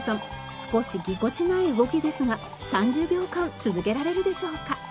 少しぎこちない動きですが３０秒間続けられるでしょうか？